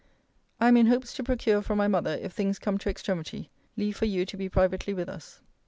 I am in hopes to procure from my mother, if things come to extremity, leave for you to be privately with us.